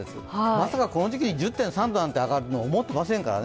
まさかこの時期に１０．３度まで上がるとは思ってませんからね。